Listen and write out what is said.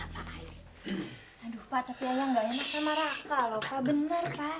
pak bener pak